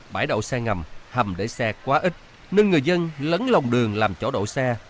bãi đậu xe ngầm hầm để xe quá ít nên người dân lấn lòng đường làm chỗ đổ xe